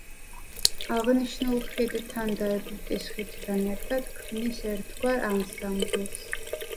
აღნიშნულ ხიდთან და ეგვიპტის ხიდთან ერთად ქმნის ერთგვარ ანსამბლს.